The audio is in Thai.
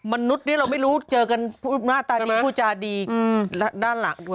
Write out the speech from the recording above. มนุษย์เนี้ยเราไม่รู้เจอกันหน้าตายดีผู้จาดีอืมและด้านหลัง